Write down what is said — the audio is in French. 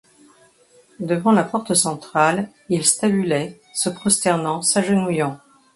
Devant la porte centrale, ils stabulaient, se prosternant, s'agenouillant.